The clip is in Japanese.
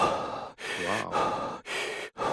わぁお